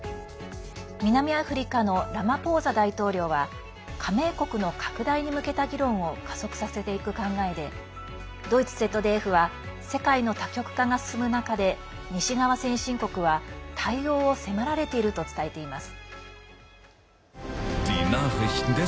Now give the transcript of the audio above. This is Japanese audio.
南アフリカのラマポーザ大統領は加盟国の拡大に向けた議論を加速させていく考えでドイツＺＤＦは世界の多極化が進む中で西側先進国は対応を迫られていると伝えています。